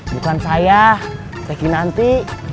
bukan saya tekin nanti